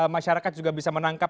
masyarakat juga bisa menangkap